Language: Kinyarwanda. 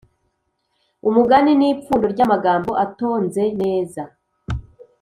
umugani ni ipfundo ry’amagambo atonze neza,